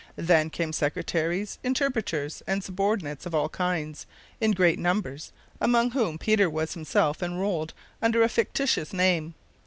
Then came secretaries, interpreters, and subordinates of all kinds, in great numbers, among whom Peter was himself enrolled under a fictitious name.